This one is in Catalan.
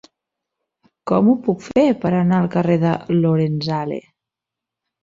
Com ho puc fer per anar al carrer de Lorenzale?